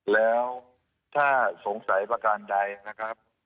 แล้วถ้าสงสัยประการใดนะครับ